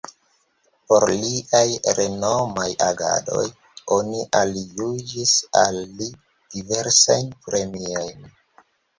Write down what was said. Por liaj renomaj agadoj oni aljuĝis al li diversajn premiojn.